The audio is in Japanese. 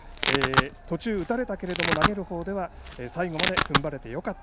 途中、打たれたけれども投げるほうは最後まで踏ん張れてよかった。